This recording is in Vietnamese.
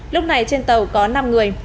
lúc này trên tàu có năm người